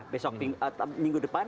besok minggu depan